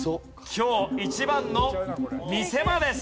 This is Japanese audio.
今日一番の見せ場です。